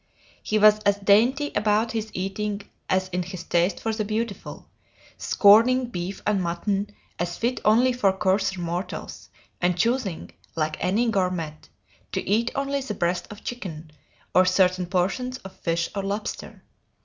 He was as dainty about his eating as in his taste for the beautiful, scorning beef and mutton as fit only for coarser mortals, and choosing, like any gourmet, to eat only the breast of chicken, or certain portions of fish or lobster.